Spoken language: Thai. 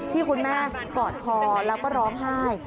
ที่คุณแม่กอดคอแล้วก็ร้องไห้